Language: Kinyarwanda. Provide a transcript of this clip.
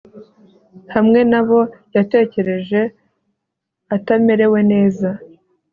hamwe na bo, yatekereje atamerewe neza